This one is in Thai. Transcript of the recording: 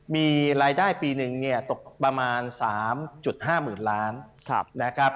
มีรายได้ปี๑ตกประมาณ๓๕๐๐๐๐๐บาท